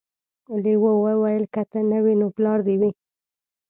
لیوه وویل که ته نه وې نو پلار دې و.